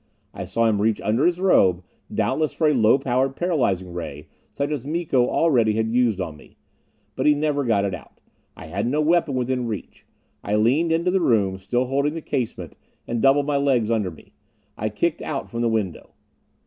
I saw him reach under his robe, doubtless for a low powered paralyzing ray such as Miko already had used on me. But he never got it out. I had no weapon within reach. I leaned into the room, still holding the casement, and doubled my legs under me. I kicked out from the window.